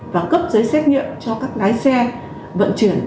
và cấp giấy xét nghiệm cho các lái xe vận chuyển